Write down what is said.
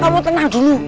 kamu tenang dulu